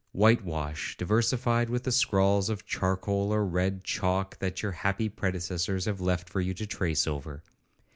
—White wash, diversified with the scrawls of charcoal or red chalk, that your happy predecessors have left for you to trace over.